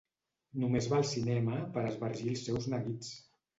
Només va al cinema per esbargir els seus neguits.